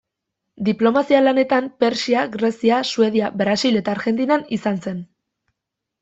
Diplomazia-lanetan Persia, Grezia, Suedia, Brasil eta Argentinan izan zen.